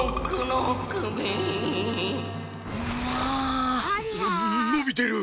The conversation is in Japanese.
のびてる！